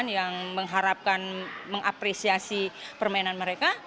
yang mengharapkan mengapresiasi permainan mereka